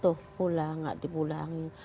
tuh pulang enggak dipulang